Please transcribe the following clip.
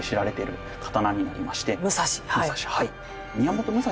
武蔵はい。